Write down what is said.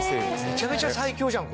めちゃめちゃ最強じゃん